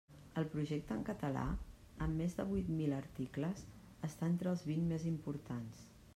El projecte en català, amb més de vuit mil articles, està entre els vint més importants.